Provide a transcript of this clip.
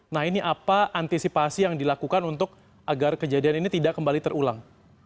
nah ini apa antisipasi yang dilakukan agar kejadian ini tidak kembali terulang